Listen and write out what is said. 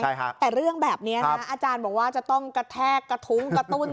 ใช่ฮะแต่เรื่องแบบนี้นะอาจารย์บอกว่าจะต้องกระแทกกระทุ้งกระตุ้น